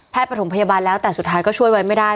ประถมพยาบาลแล้วแต่สุดท้ายก็ช่วยไว้ไม่ได้